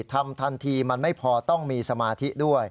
ทำทันทีมันไม่พอต้องมีสมาธิด้วย